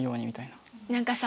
何かさ